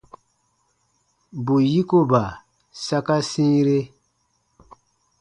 Bù yikoba saka sĩire.